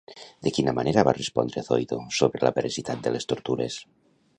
De quina manera va respondre Zoido sobre la veracitat de les tortures?